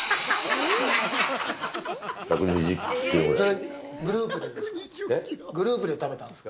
それ、グループでですか。